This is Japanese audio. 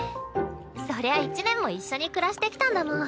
そりゃあ１年も一緒に暮らしてきたんだもん。